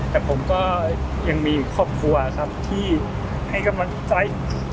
แต่ผมก็ยังมีครอบครัวครับที่ให้กำลังใจ